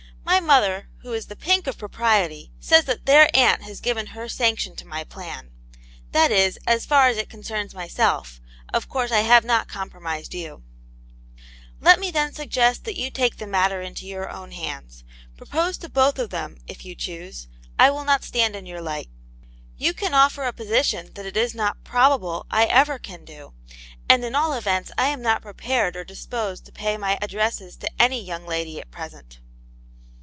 ''My mother, \vho is the pink of propriety, says that their aunt has given her sanction to my plan ; that is as far as it concerns myself; of course I have not compromised you." "Let me suggest then that you take the matter into your own hands. Propose to both of them, if you choose; I will not stand in your light. You can offer a position that it is* not probable I ever can do ; and at all events I am not prepared or disposed to pay my addresses to any young lady at present."